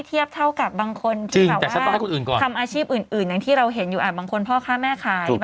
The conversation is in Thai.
ที่เราเห็นอ่ะบางคนค่าแม่ขาย